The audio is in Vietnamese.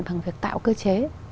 bằng việc tạo cơ chế